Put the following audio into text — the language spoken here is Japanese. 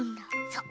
そう！